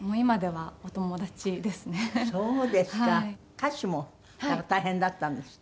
歌詞も大変だったんですって？